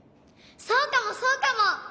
そうかもそうかも！